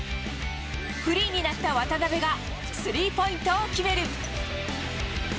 フリーになった渡邊が、スリーポイントを決める。